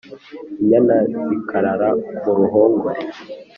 inyana zikarara mu ruhongore,